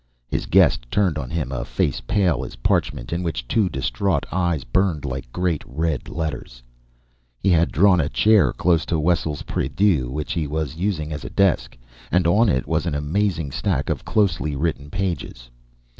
His guest turned on him a face pale as parchment in which two distraught eyes burned like great red letters. He had drawn a chair close to Wessel's prie dieu which he was using as a desk; and on it was an amazing stack of closely written pages.